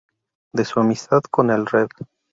De su amistad con el Rev.